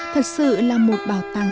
thật sự là một bảo tàng